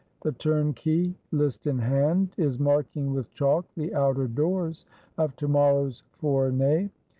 The Turnkey, List in hand, is marking with chalk the outer doors of to morrow's Fournie.